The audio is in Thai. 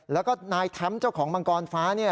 แล้วก็นายแท้มป์เจ้าของมังกรฟ้า